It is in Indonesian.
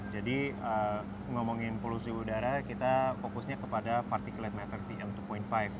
jadi ngomongin polusi udara kita fokusnya kepada particulate matter tm dua lima